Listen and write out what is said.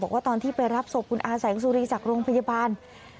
ตอนที่ไปรับศพคุณอาแสงสุรีจากโรงพยาบาล